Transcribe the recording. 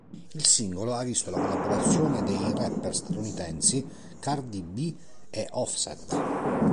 Il singolo ha visto la collaborazione dei rapper statunitensi Cardi B e Offset.